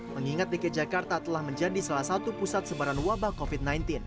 mengingat dki jakarta telah menjadi salah satu pusat sebaran wabah covid sembilan belas